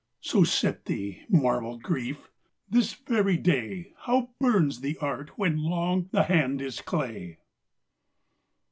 So sit thee, marble Grief ! this very day How burns the art when long the hand is clay